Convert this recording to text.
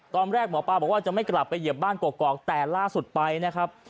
หมอปลาบอกว่าจะไม่กลับไปเหยียบบ้านกอกแต่ล่าสุดไปนะครับ